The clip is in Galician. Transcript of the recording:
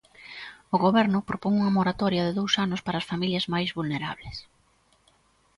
O goberno propón unha moratoria de dous anos para as familias máis vulnerables.